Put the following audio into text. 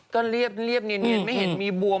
ก็เรียบเนียนไม่เห็นมีบวม